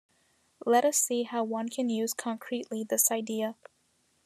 Let us see how one can use concretely this idea.